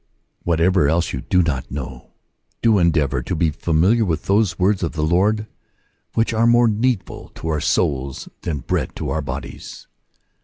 Whatever else you do not know, do en <ieavor to be familiar with those words of the Lord ^which are more needful to our souls than bread to our bodies.